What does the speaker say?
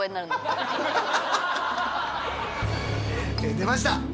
出ました！